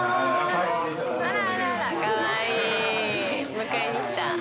迎えに来た。